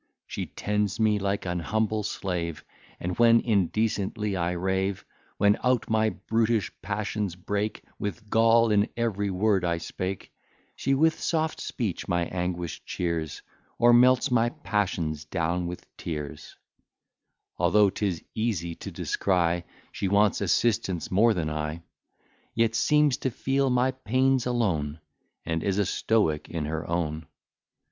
She tends me like an humble slave; And, when indecently I rave, When out my brutish passions break, With gall in every word I speak, She with soft speech my anguish cheers, Or melts my passions down with tears; Although 'tis easy to descry She wants assistance more than I; Yet seems to feel my pains alone, And is a stoic in her own.